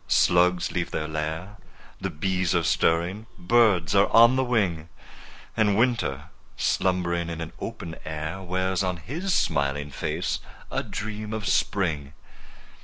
Slugs leave their lair— The bees are stirring—birds are on the wing— And Winter, slumbering in the open air, Wears on his smiling face a dream of Spring!